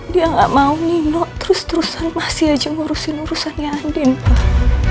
dia gak mau nino terus terusan masih aja ngurusin urusannya aneh pak